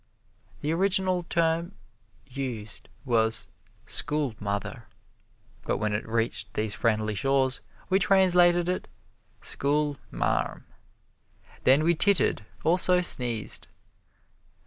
The original term used was "school mother," but when it reached these friendly shores we translated it "schoolmarm." Then we tittered, also sneezed.